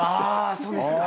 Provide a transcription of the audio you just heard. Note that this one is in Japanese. そうですか。